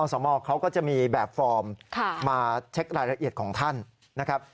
สมเขาก็จะมีแบบฟอร์มมาเช็ครายละเอียดของท่านนะครับ